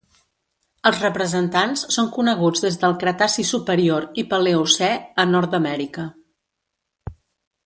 Els representants són coneguts des del Cretaci superior i Paleocè a Nord-amèrica.